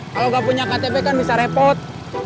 kalau nggak punya ktp kan bisa repot